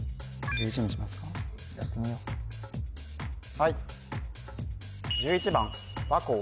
はい